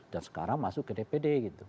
dan sekarang masuk ke dpd gitu